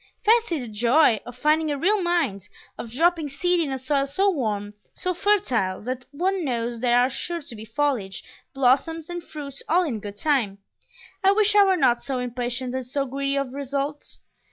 Fancy the joy of finding a real mind; of dropping seed in a soil so warm, so fertile, that one knows there are sure to be foliage, blossoms, and fruit all in good time! I wish I were not so impatient and so greedy of results!